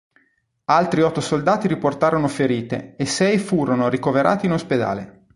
Altri otto soldati riportarono ferite e sei furono ricoverati in ospedale.